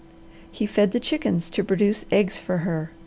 He fed the chickens to produce eggs for her.